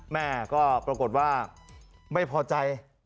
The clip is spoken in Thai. แม่ก็ปรากฏว่าไม่พอใจ